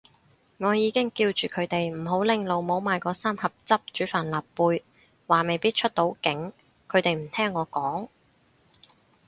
我已經叫住佢哋唔好拎老母買嗰三盒汁煮帆立貝，話未必出到境，佢哋唔聽我講